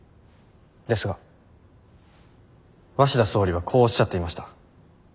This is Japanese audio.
ですが鷲田総理はこうおっしゃっていました。